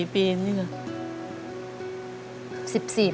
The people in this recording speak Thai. ๑๔ปี